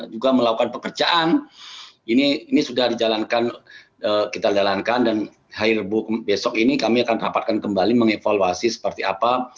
juga melakukan pekerjaan ini sudah dijalankan kita jalankan dan hari rebu besok ini kami akan rapatkan kembali mengevaluasi seperti apa